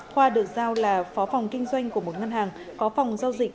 khoa được giao là phó phòng kinh doanh của một ngân hàng có phòng giao dịch